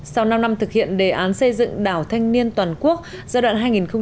sau năm năm thực hiện đề án xây dựng đảo thanh niên toàn quốc giai đoạn hai nghìn một mươi sáu hai nghìn hai mươi